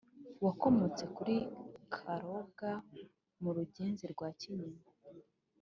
wakomotse kuri karobwa mu ruzege rwa kanyinya (taba-gitarama)